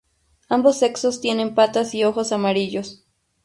Ambos sexos tienen patas y ojos amarillos.